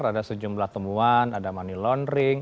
ada sejumlah temuan ada money laundering